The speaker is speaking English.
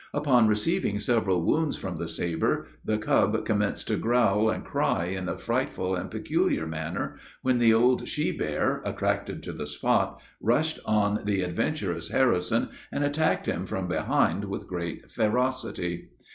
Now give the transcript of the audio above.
"Upon receiving several wounds from the sabre, the cub commenced to growl and cry in a frightful and peculiar manner, when the old she bear, attracted to the spot, rushed on the adventurous Harrison, and attacked him from behind with great ferocity.